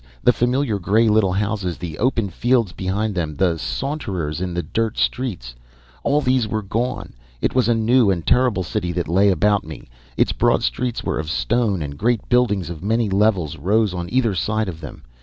The familiar gray little houses, the open fields behind them, the saunterers in the dirt streets all these were gone and it was a new and terrible city that lay about me! Its broad streets were of stone and great buildings of many levels rose on either side of them.